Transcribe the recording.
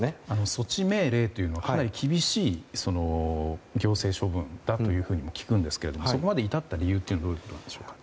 措置命令というのはかなり厳しい行政処分だと聞くんですけれどもそこまで至った理由は何なんでしょうか。